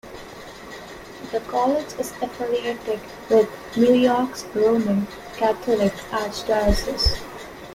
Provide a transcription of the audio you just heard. The college is affiliated with New York's Roman Catholic archdiocese.